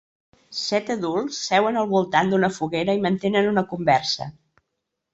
Set adults seuen al volant d'una foguera i mantenen una conversa.